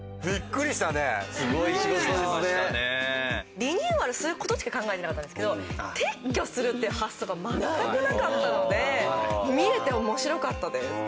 リニューアルする事しか考えてなかったんですけど撤去するっていう発想が全くなかったので見れて面白かったです。